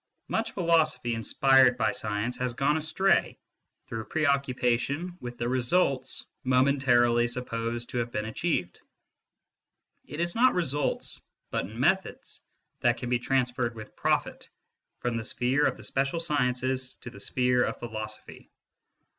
Much philosophy inspired by science has gone astray through preoccupation ._ with. jtha results momentarily supposed to have been achieved. It is not results, but (jnetho^ that can be transferred with profit from the sphere of the special sciences to the sphere of philosophy.